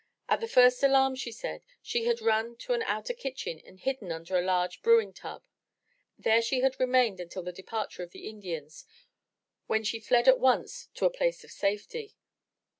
At the first alarm, she said, she had run to an outer kitchen and hidden under a large brewing tub. There she had remained until the departure of the Indians, when she fled at once to a place of safety.